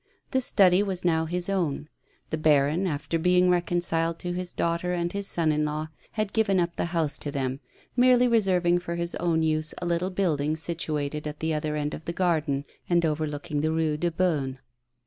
This study was now his own; the baron, after being reconciled to his daughter and his son in law, had given up the house to them. A SPOILED TRIUMPH. 85 merely reserving for his own use a little building situ ated at the other end of the garden and overlooking the Eue de Beaune.